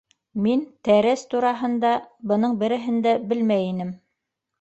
Мин тәрәс тураһында бының береһен дә белмәй инем.